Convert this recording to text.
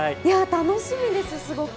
楽しみです、すごく。